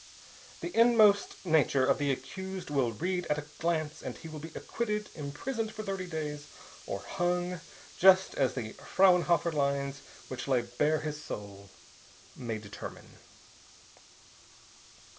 The inmost nature of the accused will be read at a glance and he will be acquitted, imprisoned for thirty days, or hung, just as the Frauenhofer lines which lay bare his soul may determine.